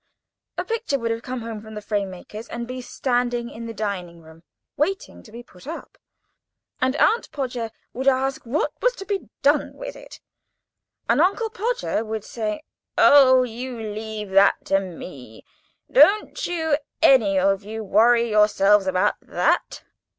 A picture would have come home from the frame maker's, and be standing in the dining room, waiting to be put up; and Aunt Podger would ask what was to be done with it, and Uncle Podger would say: "Oh, you leave that to me. Don't you, any of you, worry yourselves about that.